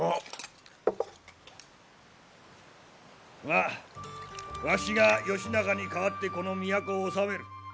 まあわしが義仲に代わってこの都を治める。